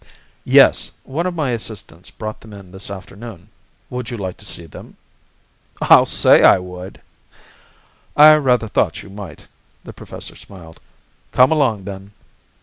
"Yes. One of my assistants brought them in this afternoon. Would you like to see them?" "I'll say I would!" "I rather thought you might," the professor smiled. "Come along, then."